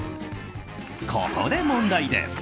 ここで問題です。